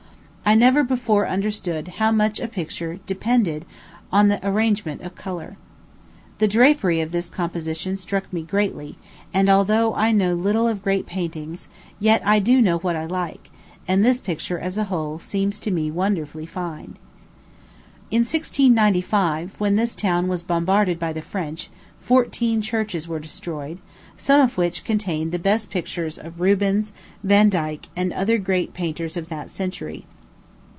I never before understood how much a picture depended on the arrangement of color. The drapery of this composition struck me greatly; and although I know little of great paintings, yet I do know what I like, and this picture, as a whole, seems to me wonderfully fine. In 1695, when this town was bombarded by the French, fourteen churches were destroyed, some of which contained the best pictures of Rubens, Vandyke, and other great painters of that century.